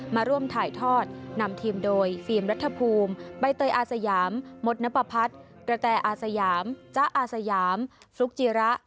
มาร่วมถ่ายทอดนำทีมโดยฟิล์มรัฐภูมิใบเตยอาสยามมดนปพัฒน์กระแตอาสยามจ๊ะอาสยามฟลุกจิระ